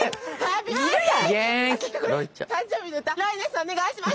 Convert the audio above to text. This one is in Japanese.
お願いします。